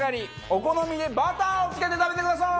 お好みでバターをつけて食べてください！